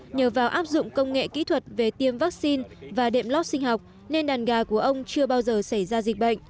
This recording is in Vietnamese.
nhờ vào áp dụng công nghệ kỹ thuật về tiêm vaccine và đệm lót sinh học nên đàn gà của ông chưa bao giờ xảy ra dịch bệnh